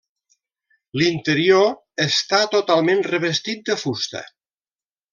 L'interior està totalment revestit de fusta.